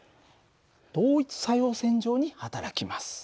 同一作用線上にはたらきます。